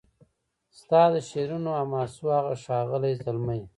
ستا د شعرونو حماسو هغه ښاغلی زلمی